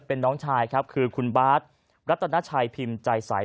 เป็นน้องชายครับคือคุณบาทรัตนาชัยพิมพ์ใจใส